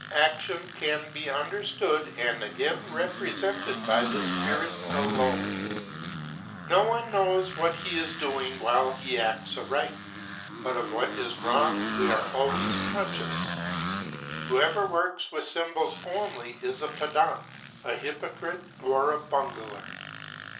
Action can be under stood and again represented by the spirit alone. No one knows what he is doing while he acts aright, but of what is MEISTER'S APPRENTICESHIP. 435 wrong we are always conscious. Whoever works with sym bols only is a pedant, a hypocrite, or a bungler.